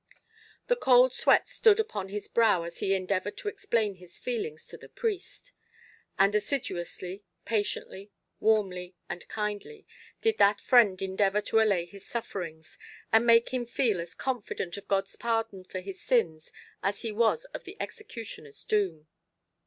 The cold sweat stood upon his brow as he endeavoured to explain his feelings to the priest. And assiduously, patiently, warmly, and kindly, did that friend endeavour to allay his sufferings, and make him feel as confident of God's pardon for his sins as he was of the executioner's doom.